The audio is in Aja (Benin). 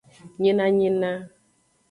Nyinanyina.